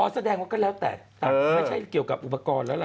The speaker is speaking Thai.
แสดงว่าก็แล้วแต่แต่ไม่ใช่เกี่ยวกับอุปกรณ์แล้วล่ะ